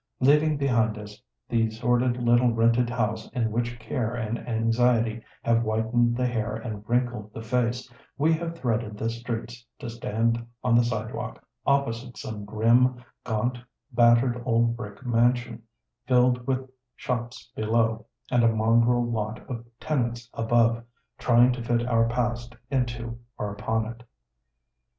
Leaving behind us the sordid little rented house in which care and anxiety have whitened the hair and wrinkled the face, we have threaded the streets to stand on the side walk opposite some grim, gaunt, battered old brick mansion, filled with shops below and a mongrel lot of tenants above, trying to fit our past into or upon it.